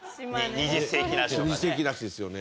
二十世紀梨ですよね。